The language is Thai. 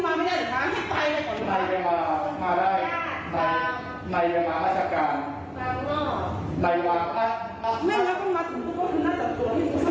สำหรับสำหรับคราวต่างประน่ะนะ